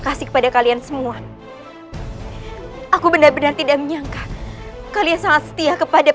kasih kepada kalian semua aku benar benar tidak menyangka kalian sangat setia kepada